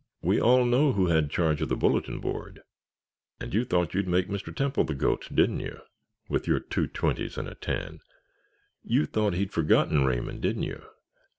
"We all know who had charge of the bulletin board—— And you thought you'd make Mr. Temple the goat, didn't you, with your two twenties and a ten! You thought he'd forgotten Raymond, didn't you.